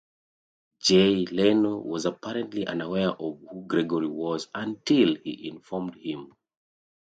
Jay Leno was apparently unaware of who Gregory was until he informed him.